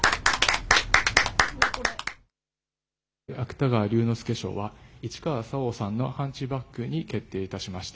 芥川龍之介賞は、市川沙央さんのハンチバックに決定いたしました。